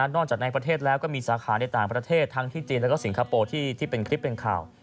จากในประเทศแล้วก็มีสาขาในต่างประเทศทั้งที่จีนแล้วก็สิงคโปร์ที่เป็นคลิปเป็นข่าว